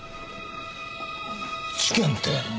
事件って。